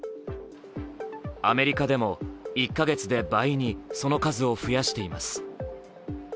アメリカでも１か月で倍にその数を増やしています。